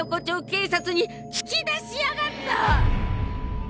警察につき出しやがった！